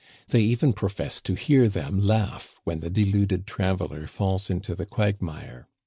They even profess to hear them laugh when the deluded traveler falls into the quagmire.